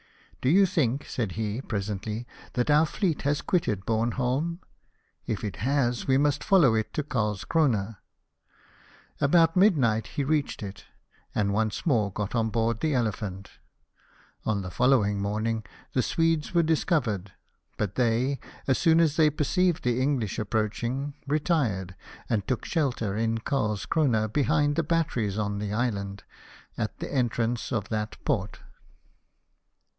" Do you think," said he, presently, " that our fleet has quitted Bornholm ? If it has, we must follow it to Carlscrona." About midnight he reached it, and once more got on board the Elephant On the following morning the Swedes were discovered but they, as soon as they perceived the English approaching, retired, and took shelter in Carlscrona, behind the batteries on the island, at the entrance of that port.